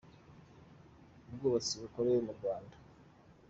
ubwubatsi bikorewe mu Rwanda.